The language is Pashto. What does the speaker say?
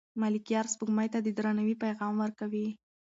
ملکیار سپوږمۍ ته د درناوي پیغام ورکوي.